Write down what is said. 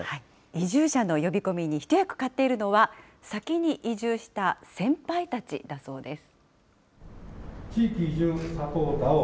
移住者の呼び込みに一役買っているのは、先に移住した先輩たちだそうです。